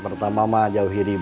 papi masih ada urusan ini